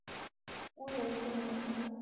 乌贼丝很好吃